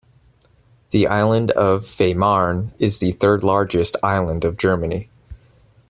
The island of Fehmarn is the third largest island of Germany.